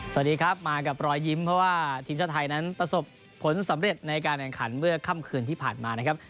สวัสดีครับมากับรอยยิ้มเพราะว่าทีมชาติไทยนั้นประสบผลสำเร็จในการแข่งขันเมื่อค่ำคืนที่ผ่านมานะครับ